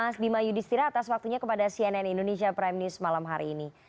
mas bima yudhistira atas waktunya kepada cnn indonesia prime news malam hari ini